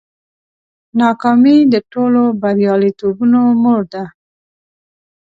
ناکامي د ټولو بریالیتوبونو مور ده.